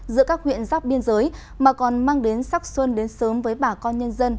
giữa các huyện giáp biên giới mà còn mang đến sắc xuân đến sớm với bà con nhân dân